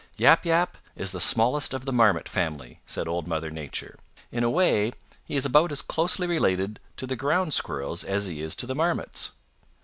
"Yap Yap is the smallest of the Marmot family," said Old Mother Nature. "In a way he is about as closely related to the Ground Squirrels as he is to the Marmots.